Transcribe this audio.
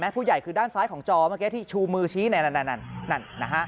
ผู้ใหญ่คือด้านซ้ายของจอเมื่อกี้ที่ชูมือชี้นั่น